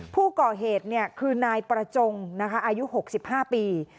ผู้ก่อเหตุเนี่ยคือนายประจงนะคะอายุหกสิบห้าปี